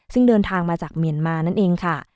ซึ่งเดินทางมาจากเมียนมานั่นเองค่ะ